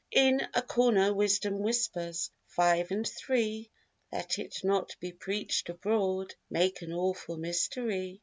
In a corner wisdom whispers. Five and three (Let it not be preached abroad) make an awful mystery.